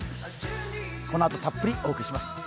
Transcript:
このあと、たっぷりお送りします。